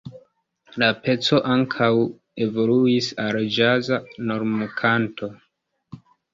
La peco ankaŭ evoluis al ĵaza normkanto.